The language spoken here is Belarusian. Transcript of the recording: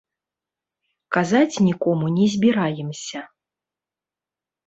Казаць нікому не збіраемся.